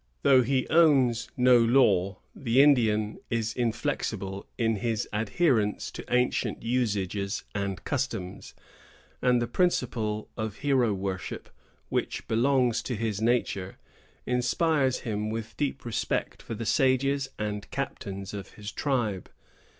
Though he owns no law, the Indian is inflexible in his adherence to ancient usages and customs; and the principle of hero worship, which belongs to his nature, inspires him with deep respect for the sages and captains of his tribe.